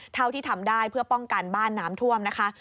เท่าที่ทำได้เพื่อป้องกันบ้านน้ำท่วมนะคะ